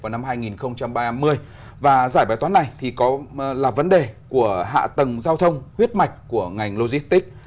vào năm hai nghìn ba mươi và giải bài toán này là vấn đề của hạ tầng giao thông huyết mạch của ngành logistics